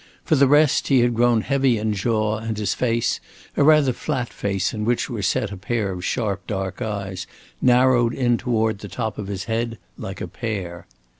For the rest, he had grown heavy in jaw and his face (a rather flat face in which were set a pair of sharp dark eyes) narrowed in toward the top of his head like a pear.